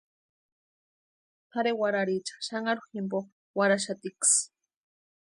Tʼarhe warharicha xanharu jimpo warhaxatiksï.